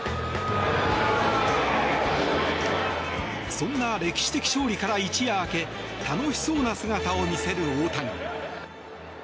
そんな歴史的勝利から一夜明け楽しそうな姿を見せる大谷。